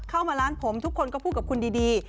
เข้ามาร้านผมทุกคนก็พูดกับคุณดี